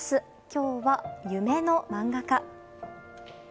今日は、夢の漫画家。